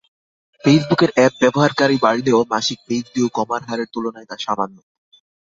ফেসবুকের অ্যাপ ব্যবহারকারী বাড়লেও মাসিক পেজভিউ কমার হারের তুলনায় তা সামান্য।